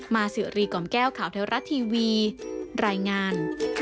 สิริกล่อมแก้วข่าวเทวรัฐทีวีรายงาน